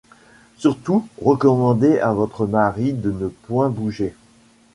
Surtout, recommandez à votre mari de ne point bouger...